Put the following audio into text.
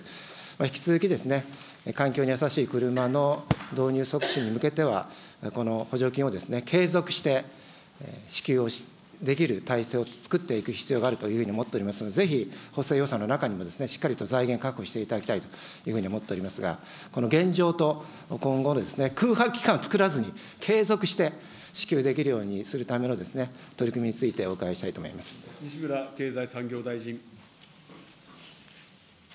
引き続き、環境に優しい車の導入促進に向けては、この補助金を継続して支給をできる体制をつくっていく必要があるというふうに思っておりますので、ぜひ、補正予算の中にもしっかりと財源確保していただきたいというふうに思っておりますが、この現状と今後の空白期間をつくらずに、継続して支給できるようにするための取り組みについてお伺いした西村経済産業大臣。